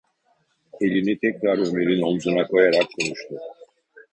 Elini tekrar Ömer’in omzuna koyarak konuştu: